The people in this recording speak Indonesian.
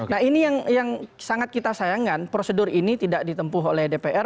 nah ini yang sangat kita sayangkan prosedur ini tidak ditempuh oleh dpr